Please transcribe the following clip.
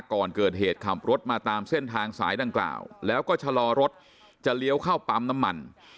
ก่อนเกิดเหตุขับรถมาตามเส้นทางสายดังกล่าวแล้วก็ชะลอรถจะเลี้ยวเข้าปั๊มน้ำมัน